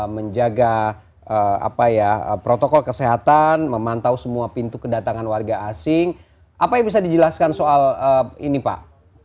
menjaga protokol kesehatan memantau semua pintu kedatangan warga asing apa yang bisa dijelaskan soal ini pak